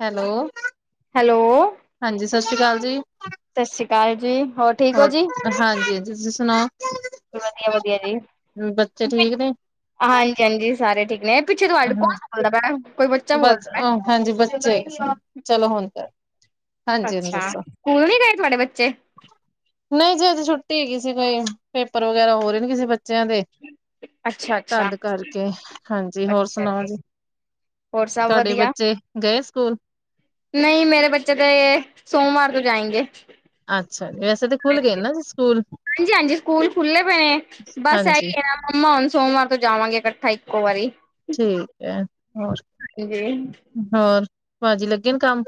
Hello. Hello. ਹਾਂਜੀ, ਸਤਿ ਸ਼੍ਰੀ ਅਕਾਲ ਜੀ। ਸਤਿ ਸ੍ਰੀ ਅਕਾਲ ਜੀ, ਹੋਰ ਠੀਕ ਹੋ ਜੀ? ਹਾਂਜੀ ਹਾਂਜੀ ਤੁਸੀਂ ਸੁਣਾਓ ਵਧੀਆ- ਵਧੀਆ, ਜੀ। ਬੱਚੇ ਠੀਕ ਨੇ ਹਾਂਜੀ- ਹਾਂਜੀ, ਸਾਰੇ ਠੀਕ ਨੇ, ਪਿੱਛੇ ਤੁਹਾਡੇ ਹਾਂ ਕੌਣ ਬੋਲਦਾ ਪਿਆ? ਕੋਈ ਬੱ [unintelligible] ਹਾਂਜੀ ਹੁਣ ਅੱਛਾ, ਦੱਸੋ ਸਕੂਲ ਨੀ, ਗਏ ਤੁਹਾਡੇ ਬੱਚੇ? ਨਹੀਂ ਜੀ, ਅੱਜ ਛੁੱਟੀ ਹੈਗੀ ਸੀ ਕੋਈ, ਪੇਪਰ ਵਗੈਰਾ ਹੋ ਰਹੇ ਨੇ ਕਿਸੇ ਬੱਚਿਆਂ ਦੇ ਅੱਛਾ-ਅੱਛਾ, ਤਦ ਕਰਕੇ, ਹਾਂਜੀ, ਹੋਰ ਅੱਛਾ ਅੱਛਾ ਸੁਣਾਓ ਜੀ? ਹੋਰ ਸਭ ਤੁਹਾਡੇ ਵਧੀਆ? ਬੱਚੇ, ਗਏ ਸਕੂਲ? ਨਹੀਂ, ਮੇਰੇ ਬੱਚੇ ਤੇ ਸੋਮਵਾਰ ਤੋਂ ਜਾਏਂਗੇ। ਅੱਛਾ, ਵੈਸੇ ਤਾਂ ਖੁੱਲ ਗਏ ਨਾ ਅੱਜ ਸਕੂਲ? ਹਾਂਜੀ- ਹਾਂਜੀ, ਸਕੂਲ ਖੁੱਲ੍ਹੇ ਪਏ ਨੇ, ਬਸ ਹਾਂਜੀ ਇਹੀ ਆ ਹੁਣ ਸੋਮਵਾਰ ਤੋਂ ਜਾਵਾਂਗੇ, ਇਕੱਠਾ ਇੱਕੋ ਵਾਰੀ। ਠੀਕ ਹੈ, ਹੋਰ, ਹਾਂਜੀ, ਹੋਰ ਭਾਜੀ ਲੱਗੇ ਨ ਕੰਮ?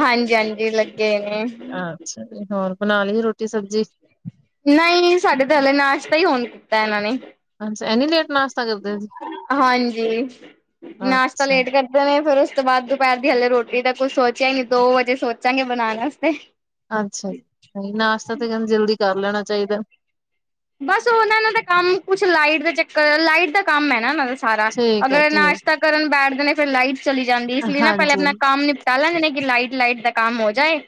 ਹਾਂਜੀ -ਹਾਂਜੀ, ਲੱਗੇ ਨੇ। ਅੱਛਾ ਜੀ, ਹੋਰ ਬਣਾ ਲਈ ਰੋਟੀ ਸਬਜ਼ੀ? ਨਹੀਂ -ਨਹੀਂ, ਸਾਡੇ ਤਾਂ ਹਲੇ, ਨਾਸ਼ਤਾ ਹੀ ਹੁਣ ਕੀਤਾ ਇਹਨਾਂ ਨੇ। ਅੱਛਾ, ਇੰਨੀ ਲੇਟ ਨਾਸ਼ ਹਾਂਜੀ, ਨਾਸ਼ਤਾ ਅੱਛਾ, ਲੇਟ ਕਰ ਫਿਰ ਉਸ ਤੋਂ ਬਾਅਦ, ਦੁਪਹਿਰ ਦੀ ਹਲੇ ਰੋਟੀ ਦਾ ਕੁਛ ਸੋਚਿਆ ਹੀ ਨੀ, ਦੋ ਵਜੇ ਸੋਚਾਂਗੇ, ਬਣਾਉਣ ਵਾਸਤੇ। ਅੱਛਾ, ਨਹੀਂ ਨਾਸ਼ਤਾ ਤੇ, ਕਹਿੰਦੇ ਜਲਦੀ ਕਰ ਲੈਣਾ ਚਾਹੀਦਾ। ਬਸ, ਉਹਨਾਂ ਦਾ ਕੰਮ ਕੁਛ ਲਾਈਟ ਦਾ ਚੱਕਰ, ਲਾਈਟ ਦਾ ਕੰਮ ਹੈ ਨਾ ਉਹਨਾਂ ਦਾ। ਸਾਰਾ, ਠੀਕ ਹੈ, ਅਗਰ ਠੀਕ ਨਾਸ਼ਤਾ ਕਰਨ ਬੈਠਦੇ ਨੇ, ਫੇਰ ਲਾਈਟ ਚਲੀ ਜਾਂਦੀ, ਇਸ ਲਈ ਨਾ, ਪਹਿਲੇ ਆਪਣਾ ਹਾਂਜੀ। ਕੰਮ ਨਿ ਕਰ ਲੈਂਦੇ ਨੇ ਕਿ, ਲਾਈਟ ਲਾਈਟ ਦਾ ਕੰਮ ਹੋ ਜਾਏ,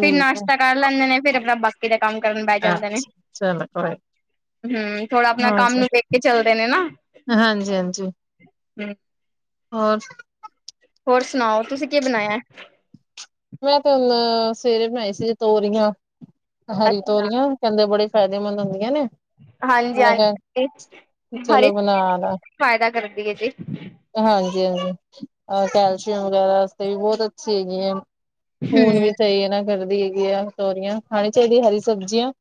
ਫਿਰ ਹੈ, ਨਾਸ਼ਤਾ ਕਰ ਲੈਂਦੇ ਨੇ, ਫੇਰ ਆਪਣਾ ਬਾ ਕੀ, ਦਾ ਕੰਮ ਕਰਨ ਬਹਿ ਆਹ ਜਾਂਦੇ ਨੇ। ਚਲੋ, ਕੋਈ ਨਾ। ਹਮ ਥੋੜਾ, ਆਪਣਾ ਕੰਮ ਨੂੰ ਦੇਖ ਕੇ, ਚਲਦੇ ਨੇ ਨਾ ਹਾਂਜੀ-ਹਾਂਜੀ। ਹਮ। ਹੋਰ? ਹੋਰ ਸੁਣਾਓ, ਤੁਸੀਂ ਕੀ ਬਣਾਇਆ? ਮੈਂ ਤੇ ਹੁਣ ਸਵੇਰੇ ਬਣਾਏ ਸੀ, ਜੇ ਤੋਰੀਆਂ, ਹਰੀ ਅੱਛਾ ਤੋਰੀਆਂ, ਕਹਿੰਦੇ ਬੜੇ ਫ਼ਾਇਦੇਮੰਦ ਹੁੰਦੀਆਂ ਨੇ। ਹਾਂਜੀ ਮੈਂ ਕਿਹਾ ਹਾਂਜੀ ਹਰ ਚਲੋ ਇੱਕ ਬਣਾ ਫਾਇਦਾ ਕਰਦੀ ਹੈ ਜੀ। ਹਾਂਜੀ ਹਾਂਜੀ ਅ ਕੈਲਸ਼ੀਅਮ ਵਗੈਰਾ ਵਾਸਤੇ ਵੀ ਬਹੁਤ ਅੱਛੀ ਹੈਗੀ ਆ। ਖੂਨ ਹਮ ਵੀ ਸਹੀ ਇਹ ਨਾ ਕਰਦੀ ਹੈਗੀ ਆ ਸੋਰੀਆਂ ਖਾਣੀ ਚਾਹੀਦੀ ਹਰੀ ਸਬਜ਼ੀਆਂ।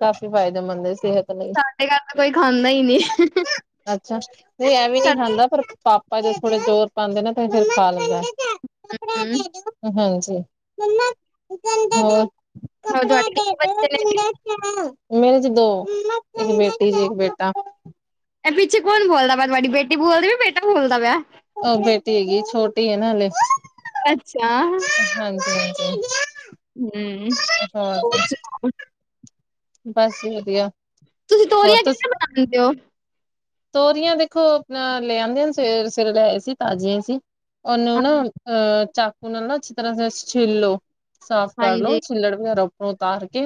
ਕਾਫੀ ਫਾਇਦੇਮੰਦ ਸਿਹਤ ਲਈ। ਸਾਡੇ ਘਰ ਤਾਂ ਕੋਈ ਖਾਂਦਾ ਹੀ ਨਹੀਂ। ਅੱਛਾ। ਇਹ ਵੀ ਨਹੀਂ ਖਾਂਦਾ ਪਰ ਪਾਪਾ ਜ ਥੋੜੇ ਜ਼ੋਰ ਪਾਉਂਦੇ ਨਾ ਤਾਂ ਫੇਰ ਖਾ ਲੈਂਦਾ। ਹੂੰ ਹਾਂਜੀ। ਹੋਰ ਕੱਪੜੇ ਤੁਹਾਡੇ ਦੇ ਕਿੰਨੇ ਬੱਚੇ ਨੇ ਜੀ ਦ। ਮੇਰੇ ਚ ਦੋ ਇੱਕ ਬੇਟੀ ਜੀ ਇੱਕ ਬੇਟਾ। ਇਹ ਪਿੱਛੇ ਕੌਣ ਬੋਲਦਾ ਵੈਂ ਤੁਹਾਡੀ ਬੇਟੀ ਬੋਲਦੀ ਵ ਬੇਟ ਬੋਲਦਾ ਪਿਆ। ਉਹ ਬੇਟੀ ਹੈਗੀ ਛੋਟੀ ਹੈ ਨਾਲ ਅੱਛਾ। ਹਾਂਜੀ ਹਾਂਜੀ ਹੂੰ ਹੋ ਹੋਰ ਸੁਣਾਓ ਬਸ ਵਧੀਆ। ਤੁਸੀਂ ਹੋਰ ਤੋਰੀਆ ਤੁਸ ਕਿਹੇ ਬਣਾਉਦੇ ਹੋ। ਤੋਰੀਆਂ ਦੇਖੋ ਆਪਣਾ ਲੈ ਆਉਂਦੇਆਂ ਸਵੇ ਸਵੇਰੇ ਲੈਏ ਸੀ ਤਾਜ਼ੀਆਂ ਸੀ ਉਹਨੂੰ ਨਾ ਅ ਚਕੂਨਲ ਚ ਤ ਚਲ ਸਾਫ ਕਢ ਹਾਂਜੀ ਲ ਚਲੜ ਵੀ ਰ ਉਤਾਰ ਕੇ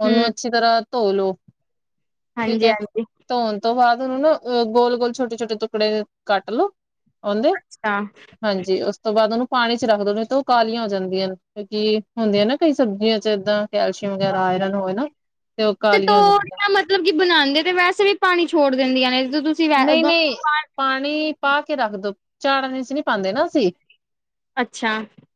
ਉਹਨੂੰ ਹੂੰ ਅੱਛੀ ਤਰ੍ਹਾਂ ਧੋ ਲੋ ਠੀਕ ਹਾਂਜੀ ਹੈ ਹਾਂਜੀ ਧੋਣ ਤੋਂ ਬਾਅਦ ਉਹਨੂੰ ਨਾ ਗੋਲ ਗੋਲ ਛੋਟੇ ਛੋਟੇ ਟੁਕੜੇ ਕੱਟ ਲੋਓ। ਹਦੇ ਅੱਛਾ ਹਾਂਜੀ ਉਸ ਤੋਂ ਬਾਅਦ ਉਹਨੂੰ ਪਾਣੀ ਚ ਰੱਖ ਦਓਦੇ ਤਾਂ ਉਹ ਕਾਲੀਆਂ ਹੋ ਜਾਂਦੀਆਂ ਕਿਉਂਕਿ ਹੁੰਦੀਆਂ ਨਾ ਕਈ ਸਬਜ਼ੀਆਂ ਚ ਇਏਦਾਂ ਕੈਲਸ਼ੀਅਮ ਵਗੈਰਾ ਆਇਰਨ ਹੋਵੇ ਨਾ ਤੇ ਉਹ ਕਾਲੀਆਂ ਜਾਂਦੀਆਂ ਮਤਲਬ ਕਿ ਬਣਉਦੇ ਤੇ ਵੈਸੇ ਵੀ ਪਾਣੀ ਛੋੜ ਦਿੰਦੀਆਂ ਨੇ ਤੁਸੀਂ ਵੈ ਨਹੀਂ ਉਦੋਂ ਨਹੀਂ ਪਾ- ਪਾਣੀ ਪਾ ਕੇ ਰੱਖਦੋ ਚੜਾਂ ਚ ਨਹੀਂ ਪਾਉਂਦੇ ਨਾ ਅਸੀਂ ਅੱਛਾ।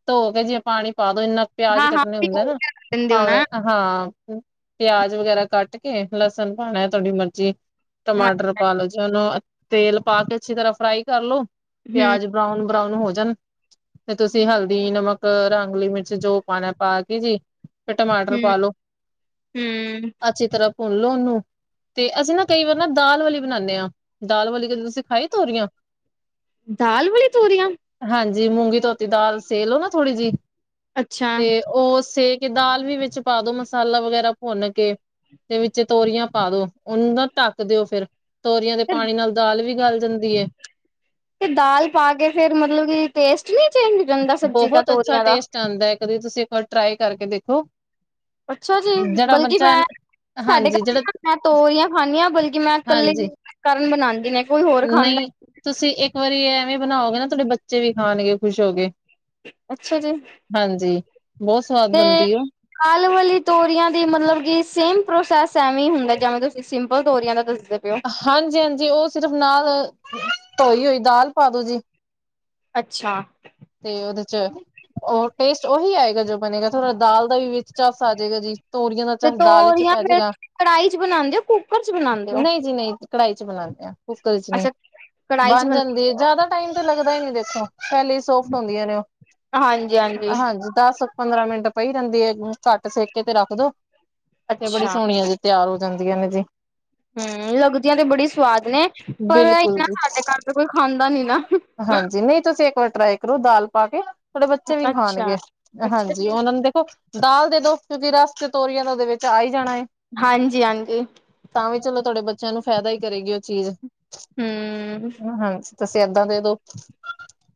ਧੋ ਕੇ ਜੇ ਪਾਣੀ ਪਾ ਦੋ ਇੰਨਾ ਪਿਆਜ ਹਾਂ ਹਾਂ ਕੱਟਣੇ ਹੁੰਦੇ ਭਿਗੋ ਨਾ ਕੇ ਰੱਖ ਦਿੰਦੇ ਹੋ ਭਾਵੇਂ। ਨਾ ਹਾਂ ਪਿਆਜ ਵਗੈਰਾ ਕੱਟ ਕੇ ਲਸਣ ਪਾਣਾ ਤੁਹਾਡੀ ਮਰਜ਼ੀ। ਹਾਂ ਟਮਾਟਰ ਪਾ ਲੋ ਜੇ ਉਹਨੂੰ ਤੇਲ ਪਾ ਕੇ ਅੱਛੀ ਤਰ੍ਹਾਂ ਫਰਾਈ ਕਰਲੋ ਹੂੰ ਪਿਆਜ ਬਰਾਊਨ ਬਰਾਊਨ ਹੋ ਜਾਣ। ਤੇ ਤੁਸੀਂ ਹਲਦੀ ਨਮਕ ਰਾਂਗਲੀ ਮਿਰਚ ਜੋ ਪਾਣਾ ਪਾ ਕੇ ਜੀ। ਫਿਰ ਟਮਾਟਰ ਹੂੰ ਪਾ ਲੋੋ ਹੂੰ ਅੱਛੀ ਤਰ੍ਹਾਂ। ਸੁਣ ਲਓ ਉਹਨੂੰ ਤੇ ਅਸੀਂ ਨਾ ਕਈ ਵਾਰ ਨਾ ਦਾਲ ਵਾਲੀ ਬਣਾਉਦੇ ਹਾਂ। ਦਾਲ ਵਾਲੀ ਕੋਂ ਤੁਸੀਂ ਖਾਈ ਤੋਰੀਆਂ। ਦਾਲ ਬਲੀ ਤੂਰੀਆਂ ਹਾਂਜੀ ਮੂੰਗੀ ਧੋਤੀ ਦਾਲ ਸੇ ਲਓ ਨਾ ਥੋੜ੍ਹੀ ਜਿਹੀ ਅੱਛਾ ਤੇ ਉਹ ਸੇ ਕਿ ਦਾਲ ਵੀ ਵਿੱਚ ਪਾ ਦੋ ਮਸਾਲਾ ਵਗੈਰਾ ਭੁੰਨ ਕੇ ਦੇ ਵਿੱਚ ਤੋਰੀਆਂ ਪਾ ਦੋ ਉਹਨੂੰ ਨਾ ਢੱਕ ਦਿਓ ਫੇਰ ਤੋਰੀਆਂ ਦੇ ਤੇ ਪਾਣੀ ਨਾਲ ਦਾਲ ਵੀ ਗਾਲ ਜਾਂਦੀ ਹੈਏ। ਤੇ ਦਾਲ ਪਾ ਕੇ ਫੇਿਰ ਮਤਲਬ ਕਿ ਟੇਸਟ ਨੀ ਚੇਂਜ ਜਾਂਦਾ ਸਬਜ਼ੀ ਦਾ ਤੋਰੀਆਂ ਦਾ। ਚਦਾ ਇੱਕ ਤੁਸੀਂ ਇੱਕ ਵਾਰ ਟਰਾਈ ਕਰਕੇ ਦੇਖੋ। ਅੱਛਾ ਜੀ ਜਿਹੜਾ ਬਲਕਿ ਬੱਚਾ ਮੈਂ ਸਾਡੇ ਹਾਂਜੀ ਘਰ ਜਿਹੜਾ ਨਾ ਮੈਂ ਤੋਰੀਆਂ ਖਾਂਦੀ ਹਾਂ ਬਲਕਿ ਮੈਂ ਕੱਲੇ ਹਾਂਜੀ ਕਰਨ ਬਣਾਉਂਦੇ ਨੇ ਕੋਈ ਹੋਰ ਖਾਂਦਾ। ਨਹੀਂ ਤੁਸੀਂ ਇੱਕ ਵਾਰੀ ਐਵੇਂ ਬਣਾਓਗੇ ਨਾ ਤੁਹਾਡੇ ਬੱਚੇ ਵੀ ਖਾਣਗੇ ਖੁਸ਼ ਹੋ ਗਏ। ਅੱਛਾ ਜੀ। ਹਾਂਜੀ ਬਹੁਤ ਸਵਾਦ ਬਣਦੀ ਉਹ ਆਲ ਵਾਲੀ ਤੋਰੀਆਂ ਦੀ ਮਤਲਬ ਕਿ ਸੇਮ ਪ੍ਰੋਸੈਸ ਐਵੇ ਹੀ ਹੁੰਦਾ ਜਿਵੇਂ ਤੁਸੀਂ ਸਿੰਪਲ ਤੋਰੀਆਂ ਦਾ ਦੱਸਦੇ ਹੋ। ਪਏ ਹਾਂਜੀ ਹਾਂਜੀ ਉਹ ਸਿਰਫ਼ ਨਾਲ ਧੋਈ ਹੋਈ ਦਾਲ ਪਾ ਦੋ ਜੀ। ਅੱਛਾ। ਤੇ ਔਦੇ 'ਚ ਔ ਟੇਸਟ ਔਹੀ ਆਏਗਾ ਜੋ ਬਣੇਗਾ ਥੋੜਾ ਦਾਲ ਦਾ ਵੀ ਵਿੱਚ ਚਸ ਆ ਜੇਗਾ ਜੀ। ਤੋਰੀਆਂ ਦਾ ਚਸ ਦਾਲ ਇੱਚ ਪੈ ਜੇਗਾ। ਕੜਾਈ 'ਚ ਬਣਾਂਦੇ ਔ, ਕੁੱਕਰ 'ਚ ਬਨਾਣ ਨਈ ਜੀ ਨਈ, ਕੜਾਹੀ ਇੱਚ ਬਨਾਣੇ ਆ, ਕੁੱਕਰ ਇੱਚ ਨਈ। ਅੱਛਾ ਕੜਾਹੀ ਚ ਬਣ ਜਾਂਦੀ ਏ। ਬਣਾ ਜਾਦਾ ਟਾਈਮ ਤੇ ਲੱਗਦਾ ਈ ਨੀ ਦੇਖੋ। ਪੈਲੇ ਈ ਸੋਫਟ ਹੁੰਦੀਐ ਨੇ ਔ। ਹਾਂ ਹਾਂਜੀ। ਦਸ ਪੰਦਰਾਂ ਮਿੰਟ ਪਈ ਰੇਂਦੀ ਏ। ਘੱਟ ਸੇਕੇ ਤੇ ਰੱਖ ਦੋ ਤੇ ਬੜੀ ਅੱਛਾ ਸੋਣੀ ਅਜੇ ਤਿਆਰ ਹੋ ਜਾਂਦੀਆਂ ਨੇ ਜੀ। ਹੂੰ, ਲਗਦੀਆਂ ਤੇ ਬੜੀ ਸਵਾਦ ਨੇ ਪਰ ਇੱਕ ਬਿਲਕੁਲ ਨਾ ਜੀ ਸਾਡੇ ਘਰ ਤੇ ਕੋਈ ਖਾਂਦਾ ਨੀ ਨਾ। ਹਾਂਜੀ, ਨਈ ਤੁਸੀ ਇੱਕ ਵਾਰ ਟਰਾਈ ਕਰੋ ਦਾਲ ਪਾ ਕੇ। ਤੁਆਡੇ ਬੱਚੇ ਵੀ ਅੱਛਾ, ਖਾਣਗੇ। ਅ ਅੱਛਾ ਹਾਂਜੀ, ਜੀ। ਔਨਾਂ ਨੂੰ ਦੇਖੋ ਦਾਲ ਦੇ ਦੋ ਕਿਉਂਕਿ ਰਸ ਤੇ ਤੋਰੀਆ ਦਾ ਔਦੇ ਵਿੱਚ ਆ ਈ ਜਾਣਾ ਏ। ਹਾਂਜੀ-ਹਾਂਜੀ। ਤਾਂ ਵੀ ਚਲੋ ਤੁਆਡੇ ਬੱਚਿਆਂ ਨੂੰ ਫਾਇਦਾ ਈ ਕਰੇਗੀ ਔ ਚੀਜ਼। ਹੂੰ। ਹਾਂਜੀ ਤੁਸੀ ਏਦਾ ਦੇ ਦੋ।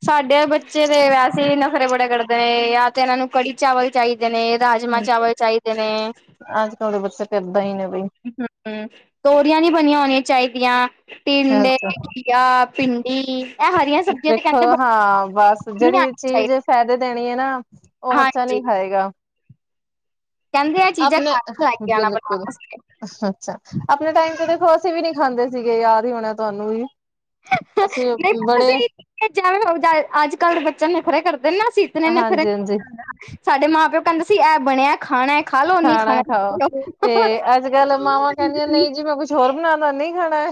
ਸਾਡੇ ਬੱਚੇ ਤੇ ਵੈਸੇ ਈ ਨਖਰੇ ਬੜੇ ਕੜਦੇ ਨੇ ਯਾ ਤੇ ਏਨਾਂ ਨੂੰ ਕੜੀ ਚਾਵਲ ਚਾਈਦੇ ਨੇ, ਰਾਜਮਾਂ ਚਾਵਲ ਚਾਈਦੇ ਨੇ। ਅੱਜ ਕੱਲ ਦੇ ਬੱਚੇ ਤੇ ਏਦਾਂ ਈ ਨੇ ਬਈ। ਹੂੰ, ਤੋਰੀਆਂ ਨੀ ਬਣੀਆਂ ਹੋਣੀਆਂ ਚਾਈਦੀਆਂ ਟਿੰਡੇ, ਅੱਛਾ ਘੀਆ, ਭਿੰਡੀ ਇਹ ਹਰੀਆਂ ਸਬਜ਼ੀਆਂ ਤੇ ਕੈਂਦੇ ਤੇ ਜੜੀ ਚੀਜ਼ ਫਾਇਦੇ ਦੇਣੀ ਏ ਨਾ ਔ ਬੱਚਾ ਹਾਂਜੀ ਨੀ ਖਾਏਗਾ। ਕਹਿੰਦੇ ਇਹ ਚੀਜ਼ਾਂ ਆਪਣੇ ਘਰ ਲੈ ਅ ਕੇ ਆਣਾ ਬਣਾ ਬਿਲਕੁਲ। ਵਾਸਤੇ। ਅੱਛਾ। ਆਪਣੇ ਟਾਈਮ ਤੇ ਦੇਖੋ ਅਸੀਂ ਵੀ ਨੀ ਖਾਂਦੇ ਸੀਗੇ ਯਾਦ ਹੀ ਹੋਣੈ ਤੁਆਨੂੰ ਵੀ। ਅਸੀ ਔ ਬੜੇ ਐ ਜੈਵੇ ਹੋ ਜਾਏ ਅੱਜ ਕੱਲ ਦੇ ਬੱਚੇ ਨਖਰੇ ਕਰਦੇ ਨੇ ਨਾ ਅਸੀ ਇਤਨੇ ਨਖਰੇ ਤੇ ਸਾਡੇ ਮਾਂ ਪਿਓ ਕੈਂਦੇ ਸੀ ਐ ਬਣਿਐ ਖਾਨੈ ਖਾਣੈ ਖਾਔ ਤੇ ਅੱਜ ਕੱਲ ਮਾਵਾਂ ਕੈਦੀਆਂ ਨਈ ਜੀ ਮੈਂ ਕੁਛ ਹੋਰ ਬਣਾਦਾ ਨਈ ਖਾਣਾ ਐ।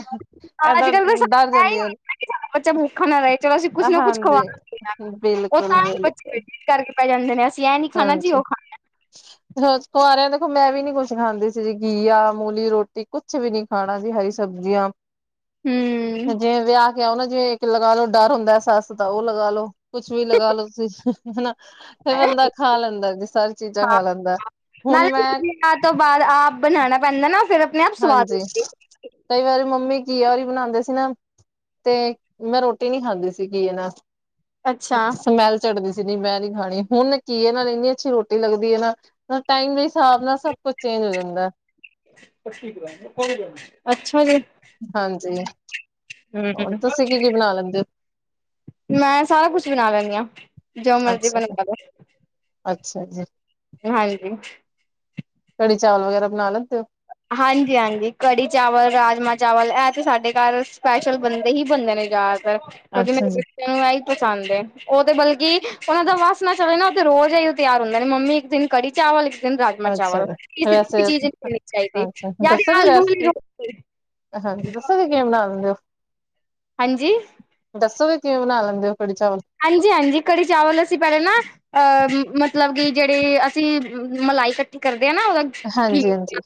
ਆਜ ਕੱਲ ਤਾਂ ਸਬ ਏਹੀ ਹੁੰਦੈ ਕਿ ਸਾਡਾ ਬੱਚਾ ਭੂਖਾ ਨਾ ਰਏ। ਚਲੋ ਅਸੀਂ ਕੁੱਛ ਨਾ ਕੁੱਛ ਖਵਾ ਹਾਂਜੀ ਬਿਲਕੁਲ ਬਿਲਕੁਲ [unintelligible] ਜੀ ਹਾਂਜੀ। ਉਹ [inaudible] ਜੈਸ ਕੁਆਰਿਆਂ ਦੇਖੋ ਮੈਂ ਵੀ ਨੀ ਕੁਛ ਖਾਂਦੀ ਸੀ ਜੀ ਘੀਆ, ਮੂਲੀ ਰੋਟੀ ਕੁਛ ਵੀ ਨੀ ਖਾਣਾ ਜੀ ਹਰੀ ਸਬਜ਼ੀਆਂ ਖਾਣਾ ਹਮ ਜਿਵੇਂ ਵਿਆ ਕੇ ਆਔ ਨਾ ਜਿਵੇਂ ਇੱਕ ਲਗਾ ਲੋ ਡਰ ਹੁੰਦੈ ਸੱਸ ਦਾ ਔ ਲਗਾ ਲੋ। ਕੁਛ ਵੀ ਲਗਾ ਲੋ ਤੁਸੀਂ ਹਨਾ। ਫੇਰ ਬੰਦਾ ਖਾ ਲੈਂਦੈ ਜੀ ਸਾਰੀ ਚੀਜ਼ਾਂ ਹਾਂ ਖਾ ਲੈਂਦੈ। ਨਾਲੇ ਨਾ ਵਿਆ ਤੋਂ ਬਾਦ ਆਪ ਬਣਾਣਾ ਪੈਂਦੇ ਨਾ ਫੇਰ ਹਾਂਜੀ, ਕਈ ਵਾਰੀ ਮੰਮੀ ਘੀਆ ਹੋਰੀ ਬਣਾਂਦੇ ਸੀ ਨਾ ਤੇ ਮੈਂ ਰੋਟੀ ਨੀ ਖਾਂਦੀ ਸੀ ਘੀਐ ਨਾਲ। ਅੱਛਾ ਸਮੈਲ ਚੜਦੀ ਸੀ ਨੀ ਮੈਂ ਨੀ ਖਾਣੀ। ਹੁਣ ਘੀਐ ਨਾਲ ਇੰਨੀ ਅੱਛੀ ਰੋਟੀ ਲੱਗਦੀ ਏ ਨਾ ਔਰ ਟਾਈਮ ਦੇ ਹਿਸਾਬ ਨਾਲ ਸਭ ਕੁੱਝ ਚੇਂਜ ਹੋ ਜਾਂਦੈ। ਅੱਛਾ ਜੀ। ਹਾਂਜੀ, ਹੋਰ ਹਮ ਤੁਸੀ ਕੀ-ਕੀ ਬਣਾ ਲੈਂਦੇ ਔ? ਮੈਂ ਸਾਰਾ ਕੁਛ ਬਣਾ ਲੈਣੀ ਆ। ਜੋ ਮਰਜ਼ੀ ਅੱਛਾ ਬਣਵਾ ਲੋ। ਅੱਛਾ ਜੀ। ਹਾਂਜੀ। ਕੜੀ ਚਾਵਲ ਵਗੈਰਾ ਬਣਾ ਲੈਂਦੇ ਔ? ਹਾਂਜੀ-ਹਾਂਜੀ। ਕੱਢੀ ਚਾਵਲ, ਰਾਜਮਾਂ ਚਾਵਲ ਐ ਤੇ ਸਾਡੇ ਘਰ ਸਪੈਸ਼ਲ ਬਣਦੇ ਹੀ ਬਣਦੇ ਨੇ। ਜਾ ਫੇਰ ਕਿਉਂਕਿ ਅੱਛਾ ਮੇਰੇ ਜੀ ਬੱਚਿਆਂ ਨੂੰ ਐ ਈ ਪਸੰਦ ਏ। ਉਹ ਤੇ ਬਲਕਿ ਓਨਾ ਦਾ ਵਾੱਸ ਨਾ ਚਲੇ ਨਾ ਓ ਤੇ ਰੋਜ ਏਈਓ ਤੇਆਰ ਹੁੰਦੇ ਨੇ, ਮੰਮੀ ਇੱਕ ਦਿਨ ਕੱੜੀ ਚਾਵਲ ਇਕ ਦਿਨ ਰਾਜਮਾ ਚਾਵਲ ਕਿ ਸਿਰਫ ਇਕ ਚੀਜ ਨੀ ਮਿਲਨੀ। ਦੱਸੋ ਗੇ ਰੈਸਪੀ, ਦੱਸੋ ਗੇ ਕਿਵੇਂ ਬਨਾਂਦੇ ਓ? ਹਾਂਜੀ। ਦੱਸੋ ਗੇ ਕਿਵੇਂ ਬਨਾ ਲੈਂਦੇ ਓ ਕੜੀ ਚਾਵਲ? ਹਾਂਜੀ, ਹਾਂਜੀ ਕੜੀ ਚਾਵਲ ਅਸੀ ਪੈਲੇ ਨਾ ਅ ਮਤਲਬ ਕਿ ਜੇੜੇ ਅਸੀ ਮਲਾਈ ਕੱਠੀ ਕਰਦੇ ਆਂ ਨਾ ਅਲਗ ਹਾਂਜੀ ਹਾਂਜੀ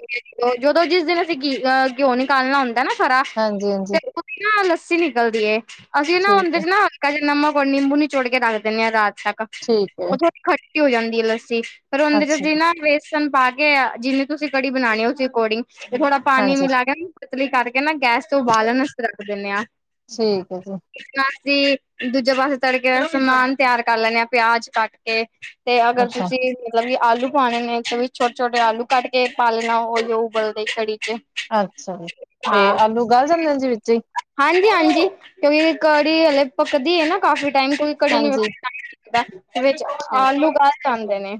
ਜਦੋਂ ਜਿਸ ਦਿਨ ਅਸੀ ਘੀ ਅ ਘਿਓ ਨਿਕਾਲਨਾ ਹੁੰਦੈ ਨਾ ਥਰਾ ਹਾਂਜੀ ਤੇ ਹਾਂਜੀ ਉਤੇ ਨਾ ਲੱਸੀ ਨਿਕਲਦੀ ਏ, ਅਸੀਂ ਨਾ ਠੀਕ ਉਂਦੇ ਹੈ ਚ ਨਾ ਹਲਕਾ ਜਾ ਨਮਕ ਹੁਨ ਨਿੰਬੂ ਨੀਚੋੜ ਕੇ ਰੱਖ ਦੇਨੇ ਆਂ ਰਾਤ ਤੱਕ ਠੀਕ ਐ। ਉਹ ਥੋੜੀ ਖੱਟੀ ਹੋ ਜਾਂਦੀ ਏ ਲੱਸੀ ਪਰ ਓਂਦੇ ਚ ਅੱਛਾ ਅਸੀ ਜੀ ਨਾ ਲਸਨ ਪਾ ਕੇ ਜਿੰਨੀ ਤੂਸੀ ਕੜੀ ਬਨਾਣੀ ਏ ਉਸੀ ਐਕੋਰਡਿੰਗ ਤੇ ਥੋੜਾ ਪਾਨੀ ਹਾਂਜੀ ਮਿਲਾ ਕੇ ਪਤਲੀ ਕਾਰਕੇ ਨਾ ਗੈਸ ਤੋਂ ਉਬਾਲਨ ਅਸਤੇ ਰੱਖ ਦੇਨੇ ਆਂ ਠੀਕ ਐ ਜੀ। ਨਾਲ ਅਸੀ ਦੂਜੇ ਪਾੱਸੇ ਤੜਕੇ ਦਾ ਸਮਾਨ ਤੇਆਰ ਕਾਰ ਲੈਨੇ ਆਂ, ਪੇਆਜ ਕਾੱਟ ਕੇ ਤੇ ਅਗਰ ਅੱਛਾ ਤੂਸੀ ਮਲਬ ਕੀ ਆਲੂ ਪਾਣੇ ਨੇ ਓਵੀ ਛੋਟੇ, ਛੋਟੇ ਆਲੂ ਕਾੱਟ ਕੇ ਪਾ ਲੈਨਾ ਓਈਓ ਉਬਲਦੇ ਕੜੀ ਚ। ਅੱਛਾ ਜੀ, ਤੇ ਆਲੂ ਗਾੱਲ ਜਾਂਦੇ ਨੇ ਜੀ ਵਿੱਚੇ ਈ? ਹਾਂਜੀ, ਹਾਂਜੀ ਕਿਉਂਕਿ ਕੱੜੀ ਹੱਲੇ ਪੱਕਦੀ ਏ ਨਾ ਕਾਫ਼ੀ ਟਾਈਮ ਕੋਈ ਕੜੀ ਨੂੰ ਹਾਂਜੀ ਟਾਈਮ ਲਗਦੈ ਤੇ ਵਿੱਚ ਆਲੂ ਗਾੱਲ ਜਾਂਦੇ ਨੇ।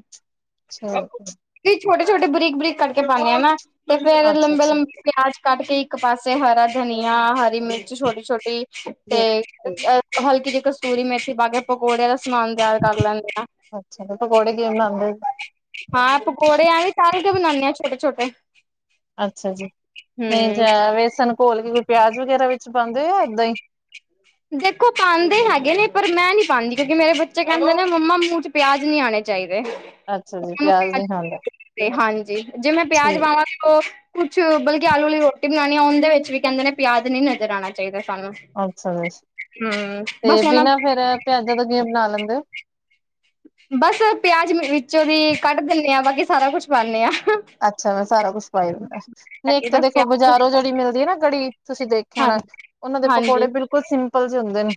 ਛ ਵੀ ਛੋਟੇ, ਛੋਟੇ ਬਰੀਕ, ਬਰੀਕ ਕਟਕੇ ਪਾਨੇ ਆ ਨਾ ਤੇ ਫੇਰ ਅੱਛਾ ਠੀਕ ਲੰਬੇ, ਠੀਕ ਲੰਬੇ ਪੇਆਜ ਕਾੱਟ ਕੇ ਇੱਕ ਪਾਸੇ ਹਰਾ ਧਨੀਆ, ਹਰੀ ਮਿਰਚ ਛੋਟੀ, ਛੋਟੀ ਠੀਕ, ਤੇ ਹਲਕੀ ਜੀ ਕਸੂਰੀ ਮੇਥੀ ਪਾਕੇ ਪਕੌੜੇ ਦਾ ਸਮਾਨ ਤੇਆਰ ਕਾਰ ਲੈਂਦੇ ਆ। ਅੱਛਾ ਤੇ ਪਕੌੜੇ ਕਿਵੇਂ ਬਣਾਉਂਦੇ ਹੋ ਹਾਂ ਪਕੌੜੇ ਐਂਵੇ ਤਾੱਲ ਕੇ ਬਨਾਂਨੇ ਆਂ ਛੋਟੇ, ਛੋਟੇ। ਅੱਛਾ ਜੀ, ਨਹੀਂ ਜਾ ਵੇਸਨ ਘੋਲ ਕੇ ਕੋਈ ਪੇਆਜ ਵਗੈਰਾ ਵਿੱਚ ਪਾਂਦੇ ਓ ਯਾ ਐਦਾਂ ਈ? ਦੇਖੋ ਪਾਂਦੇ ਹੈਗੇ ਨੇ, ਪਰ ਮੈਂ ਨੀ ਪਾਂਦੀ ਕਿਉਂਕਿ ਮੇਰੇ ਬੱਚੇ ਕੈਂਦੇ ਨੇ ਮੰਮਾ ਮੂੰਹ ਚ ਪੇਆਜ ਨੀ ਆਣੇ ਚਾਈਦੇ। ਅੱਛਾ ਜੀ, ਪੇਆਜ ਨੀ ਖਾਂਦੇ। ਤੇ ਹਾਂਜੀ, ਜੇ ਮੈਂ ਪੇਆਜ ਪਾਵਾਂ ਫੇਰ ਓ ਕੁੱਛ ਬਲਕਿ ਆਲੂ ਵਾਲੀ ਰੋਟੀ ਬਨਾਨੀ ਆਂ ਓਂਦੇ ਵਿੱਚ ਵੀ ਕੈਂਦੇ ਨੇ ਪੇਆਜ਼ ਨੀ ਨਜਰ ਆਣਾ ਚਾਈਦਾ ਸਾਨੂੰ। ਅੱਛਾ ਦਸ, ਹਮ ਤੇ ਬਸ ਉਹਨਾਂ ਬਿਨਾਂ ਫੇਰ ਪੇਆਜਾਂ ਤੋਂ ਕਿਂਵੇ ਬਨਾ ਲੈਂਦੇ ਓ? ਬੱਸ ਪੇਆਜ ਵਿੱਚੋਂ ਦੀ ਕੱਡ ਦਿੰਨੇ ਆਂ ਬਾਕੀ ਸਾਰਾ ਕੁੱਛ ਪਾਂਨੇ ਆਂ। ਅੱਛਾ ਮੈਂ ਸਾਰਾ ਕੁਛ ਪਾਈ ਦਿਤਾੱ, ਨੀ ਇੱਕ ਤੇ ਬਸ ਦੇਖੋ ਪਿਆਜ ਬਾਜਾਰੋਂ ਜੇੜੀ ਮਿਲਦੀ ਏ ਨਾ ਕੜੀ ਤੂਸੀ ਦੇਖ ਖੇਆ ਹੋਣਾ, ਹਾਂਜੀ ਓਨਾਂ ਦੇ ਹਾਂਜੀ ਪਕੌੜੇ ਬਿਲਕੁਲ ਸਿੰਪਲ ਜੇ ਹੁੰਦੇਨ।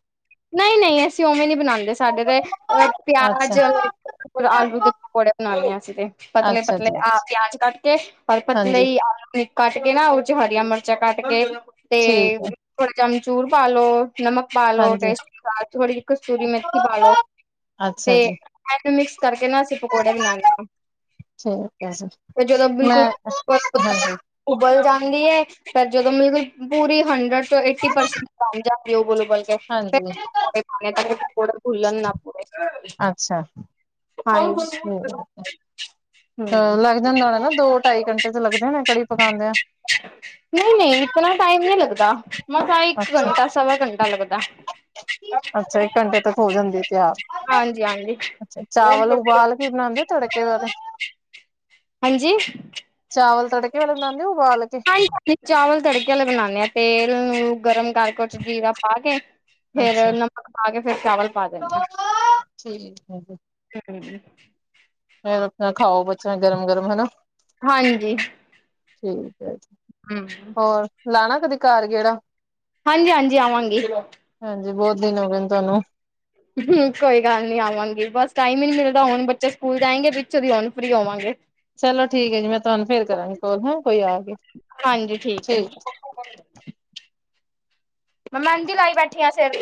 ਨਹੀਂ, ਨਹੀਂ ਅਸੀ ਉਵੇਂ ਨੀ ਬਨਾਂਦੇ, ਸਾਡੇ ਤੇ ਅ ਅੱਛਾ, ਪੇਆਜ ਔਰ ਆਲੂ ਦੇ ਪਕੌੜੇ ਬਨਾਨੇ ਆ ਅਸੀ ਤੇ ਪਤਲੇ ਅੱਛਾ ਪਤਲੇ ਜੀ ਆ ਪੇਆਜ ਕਾੱਟ ਕੇ ਪਤਲੇ ਹਾਂਜੀ ਈ ਆਲੂ ਕਾੱਟ ਕੇ ਨਾ ਉਚ ਹਰੀਆਂ ਮਰਚਾਂ ਕਾੱਟ ਕੇ ਠੀਕ ਤੇ, ਹੈ ਥੋੜਾ ਜਾ ਅਮਚੂਰ ਪਾ ਲੋ ਨਮਕ ਪਾਲੋ ਹਾਂਜੀ। ਟੇਸਟ ਅਨੂਸਾਰ ਥੋੜੀ ਜੀ ਕਸੂਰੀ ਮੇਥੀ ਪਾਲੋ ਤੇ ਅੱਛਾ ਜੀ। ਐਨੂੰ ਮਿਕਸ ਕਾਰਕੇ ਨਾ ਅਸੀ ਠੀਕ ਹੈ ਜੀ ਮੈਂ [unintelligible] ਹਾਂਜੀ। ਉਬਲ ਜਾਂਦੀ ਐ ਫੇਰ ਜਦੋਂ ਮਿਲਕੁਲ ਪੂਰੀ ਹੰਡਰਡ ਟੂ ਏਟੀ ਪਰਸੈਂਟ ਬਨ ਜਾਂਦੀ ਐ ਉਬਲ, ਉਬਲ ਕੇ। ਹਾਂਜੀ [unintelligible] ਹਾਂਜੀ ਹੂੰ ਹਮ ਲੱਗ ਜਾਂਦਾ ਹੋਣਾ ਨਾ, ਦੋ ਟਾਈ ਘੰਟੇ ਤੇ ਲੱਗਦੇ ਨੇ ਕੜੀ ਪਕਾਦੇਆਂ। ਨਹੀਂ, ਨਹੀਂ ਇਤਨਾ ਟਾਈਮ ਨੀ ਲੱਗਦਾ ਮਸਾਂ ਇੱਕ ਅੱਛਾ, ਘੰਟਾ, ਸਵਾ ਘੰਟਾ ਲੱਗਦੈ। ਅੱਛਾ ਇੱਕ ਘੰਟੇ ਤੱਕ ਹੋ ਜਾਂਦੀ ਤਿਆਰ। ਹਾਂਜੀ ਹਾਂਜੀ ਚਾਵਲ ਉਬਾਲ ਕੇ ਬਣਾਉਦੇ ਤੜਕੇ ਵਾਲੇ। ਹਾਂਜੀ ਚਾਵਲ ਤੜਕੇ ਵਾਲੇ ਬਣਾਉਂਦੇ ਹੋ ਉਬਾਲ ਕੇ? ਚਾਵਲ ਤੜਕੇੇ ਬਣਾਦੇ ਹਾ ਤੇਲ ਨੂੰ ਗਰਮ ਕਰਕੇ, ਉਹ ਚ ਜੀਰਾ ਪਾ ਕੇ ਫੇਰ ਅੱਛਾ ਨਮਕ ਪਾ ਕੇ ਫੇਰ ਚਾਵਲ ਪਾ ਦੇਣੇ ਆ। ਠੀਕ ਹੈ ਜੀ ਹੂੰ ਫੇਰ ਆਪਣਾ ਖਾਓ ਬੱਚਿਆ ਗਰਮ-ਗਰਮ ਹਨਾ। ਹਾਂਜੀ ਠੀਕ ਹੈ, ਹਮ ਹੋਰ ਲਾਣਾ ਕਦੇ ਘਰ ਗੇੜਾ। ਹਾਂਜੀ-ਹਾਂਜੀ ਆਵਾਂਗੇ। ਹਾਂਜੀ ਬਹੁਤ ਦਿਨ ਹੋ ਗਏ ਨੇ ਤੁਹਾਨੂੰ। ਹੂੰ ਕੋਈ ਗੱਲ ਨੀ ਆਵਾਂਗੀ ਬਸ ਟਾਈਮ ਹੀ ਨੀ ਮਿਲਦਾ ਹੁਣ ਬੱਚੇ ਸਕੂਲ ਜਾਏਗੇ ਪਿੱਛੋਂ ਦੀ ਹੁਣ ਫ੍ਰੀ ਹੋਵਾਂਗੇ। ਚਲੋ ਠੀਕ ਹੈ ਜੀ ਮੈਂ ਤੁਹਾਨੂੰ ਫੇਰ ਕਰਾਂਗੀ ਕਾਲ ਹੈ ਕੋਈ ਆ ਗਿਆ ਠੀਕ ਹੈ। ਮੈਂ ਮਹਿੰਦੀ ਲਾਈ ਬੈਠੀ ਆ ਸਿਰ ਤੇ।